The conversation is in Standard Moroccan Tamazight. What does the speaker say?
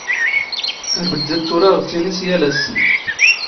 ⴰⵔ ⴱⴷⴷⴰ ⵜⵜⵓⵔⴰⵔⵖ ⵜⵜⵉⵏⵉⵙ ⵢⴰⵍ ⴰⵙⵙ.